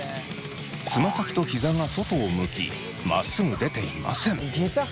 つま先とひざが外を向きまっすぐ出ていません。